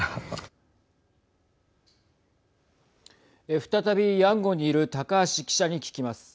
再びヤンゴンにいる高橋記者に聞きます。